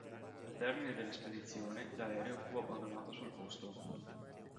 Al termine della spedizione, l'aereo fu abbandonato sul posto.